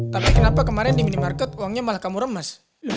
tapi kenapa kemarin di minimarket uangnya malah kamu remas